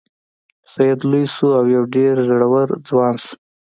سید لوی شو او یو ډیر زړور ځوان شو.